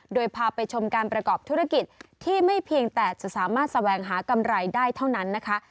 โดยพาไปชมการประกอบธุรกิจที่ไม่เพียงแต่จะสามารถแสวงหากำไรได้เท่านั้นนะคะ